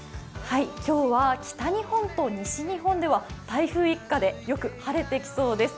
今日は北日本と西日本では台風一過でよく晴れてきそうです。